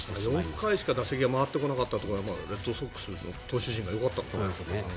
４回しか打席が回ってこなかったのはレッドソックスの投手陣がよかったんだね。